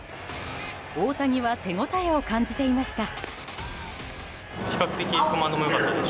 大谷は手応えを感じていました。